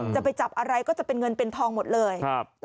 จะไปจับอะไรก็จะเป็นเงินเป็นทองหมดเลย